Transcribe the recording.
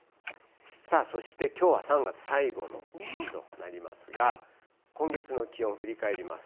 さあそしてきょうは３月最後の日となりますが、今月の気温振り返ります。